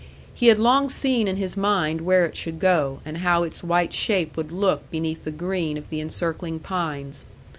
He had long seen in his mind where it should go, and how its white shape would look beneath the green of the encircling pines.